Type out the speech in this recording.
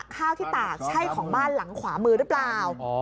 ข้าวที่ตากใช่ของบ้านหลังขวามือหรือเปล่า